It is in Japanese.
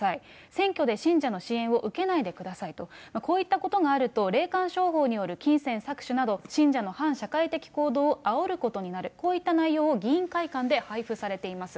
選挙で信者の支援を受けないでくださいと、こういったことがあると、霊感商法による金銭搾取など、信者の反社会的行動をあおることになると、こういった内容を議員会館で配布されています。